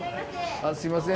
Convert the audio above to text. あすいません。